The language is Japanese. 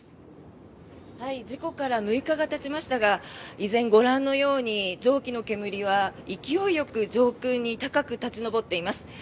事故から６日がたちましたが依然、ご覧のように蒸気の煙は勢いよく上空に高く立ち上っています。